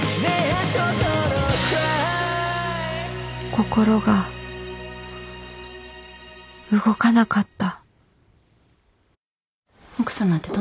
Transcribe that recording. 心が動かなかった